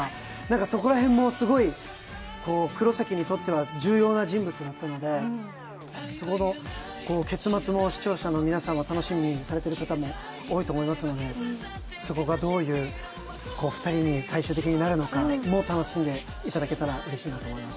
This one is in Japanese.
そこら辺もすごい黒崎にとっては重要な人物だったのでそこの結末も視聴者の皆さんは楽しみにされてる方も多いと思いますので、そこがどういう２人に最終的になるのかも楽しんでいただけたらうれしいなと思います。